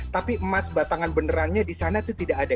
tapi emas batangan benerannya di sana itu tidak ada